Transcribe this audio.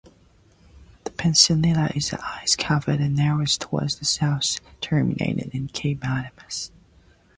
The peninsula is ice covered and narrows toward the south, terminating in Cape Adams.